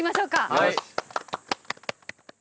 はい。